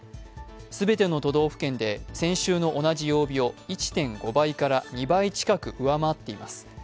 全ての都道府県で先週の同じ曜日を１．５倍から２倍近く上回っています。